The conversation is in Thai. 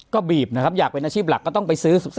ก็บีบนะครับอยากเป็นอาชีพหลักก็ต้องไปซื้อ